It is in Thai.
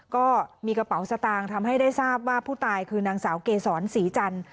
ก็มีกระเป๋าสตางค์ทำให้ได้ทราบว่าผู้ตายคือนางสาวเกษรศรีจันทร์